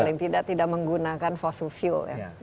paling tidak tidak menggunakan fossil fuel ya